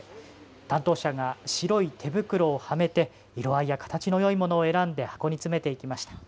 担当者が白い手袋をはめて色合いや形のよいものを選んで箱に詰めていきました。